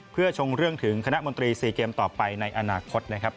เพื่อชงเรื่องถึงคณะมนตรี๔เกมต่อไปในอนาคตนะครับ